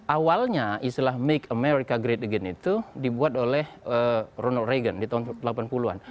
awalnya istilah make america great again itu dibuat oleh ronald reagan di tahun delapan puluh an